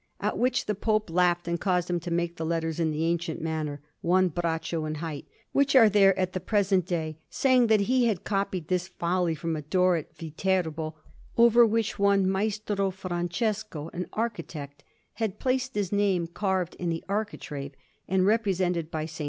At which the Pope laughed, and caused him to make the letters in the ancient manner, one braccio in height, which are there at the present day; saying that he had copied this folly from a door at Viterbo, over which one Maestro Francesco, an architect, had placed his name, carved in the architrave, and represented by a S.